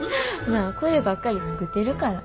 まあこればっかり作ってるから。